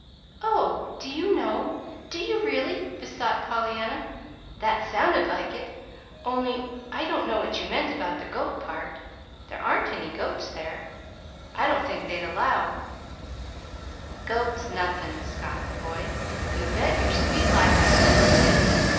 "Oh, do you know do you, really?" besought Pollyanna. "That sounded like it only I don't know what you meant about the goat part. There aren't any goats there. I don't think they'd allow " "Goats nothin'!" scoffed the boy. "You bet yer sweet life I know where 'tis!